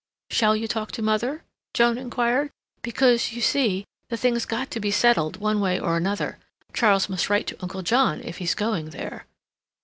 "Shall you talk to mother?" Joan inquired. "Because, you see, the thing's got to be settled, one way or another. Charles must write to Uncle John if he's going there."